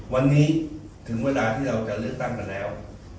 วันนี้ถึงเวลาที่เราจะเลือกตั้งกันแล้ว